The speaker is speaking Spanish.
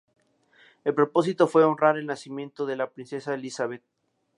El propósito fue honrar el nacimiento de la Princesa Elisabeth.